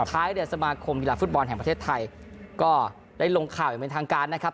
ท้ายเนี่ยสมาคมกีฬาฟุตบอลแห่งประเทศไทยก็ได้ลงข่าวอย่างเป็นทางการนะครับ